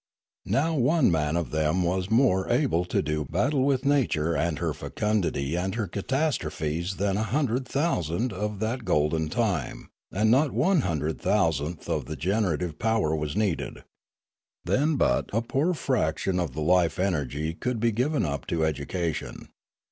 Now one man of them was more able to do battle with nature and her fecundity and her catastrophes than a hundred thou sand of that olden time, and not one hundred thou sandth of the generative power was needed. Then but a poor fraction of the life energy could be given up to education.